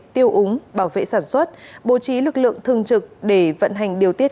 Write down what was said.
tiêu úng bảo vệ sản xuất bố trí lực lượng thường trực để vận hành điều tiết